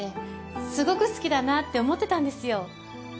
すごく好きだなって思ってたんですよ